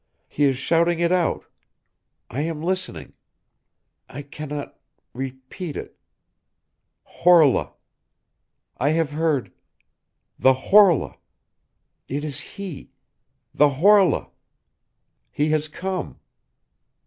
he is shouting it out ... I am listening ... I cannot ... repeat ... it ... Horla ... I have heard ... the Horla ... it is he ... the Horla ... he has come!...